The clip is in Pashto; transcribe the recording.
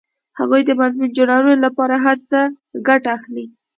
هغوی د مضمون جوړونې لپاره له هر څه ګټه اخلي